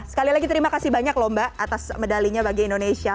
sekali lagi terima kasih banyak loh mbak atas medalinya bagi indonesia